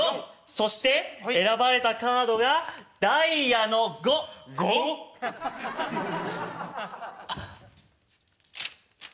そして選ばれたカードがダイヤの５！５？あっ。